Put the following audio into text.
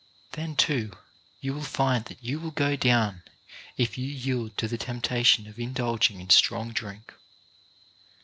Then, too, you will find that you will go down if you yield to the temptation of indulging in strong drink.